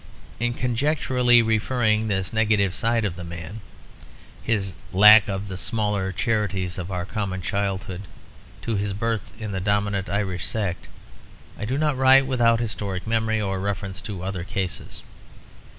In conjecturally referring this negative side of the man, his lack of the smaller charities of our common childhood, to his birth in the dominant Irish sect, I do not write without historic memory or reference to other cases.